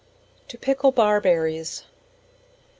To pickle Barberries.